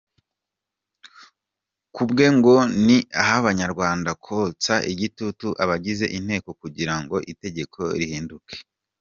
Ku bwe ngo ni ah’Abanyarwanda kotsa igitutu abagize inteko kugira ngo itegeko rihinduke.